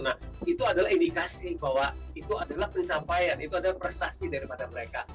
nah itu adalah indikasi bahwa itu adalah pencapaian itu adalah prestasi daripada mereka